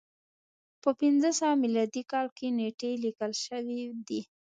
په پنځه سوه میلادي کال کې نېټې لیکل شوې دي.